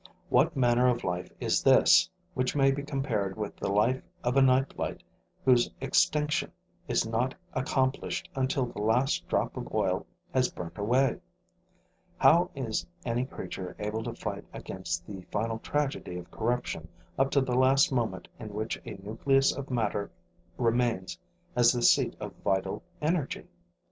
What manner of life is this, which may be compared with the life of a night light whose extinction is not accomplished until the last drop of oil has burnt away? How is any creature able to fight against the final tragedy of corruption up to the last moment in which a nucleus of matter remains as the seat of vital energy?